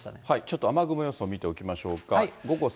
ちょっと雨雲予想見ておきましょうか。